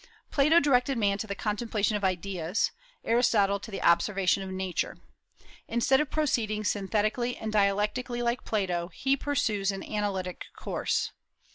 Plato directed man to the contemplation of Ideas; Aristotle, to the observation of Nature. Instead of proceeding synthetically and dialectically like Plato, he pursues an analytic course.